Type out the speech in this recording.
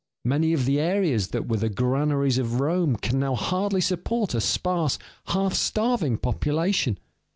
Many of the areas that were the granaries of Rome can now hardly support a sparse, half starving population.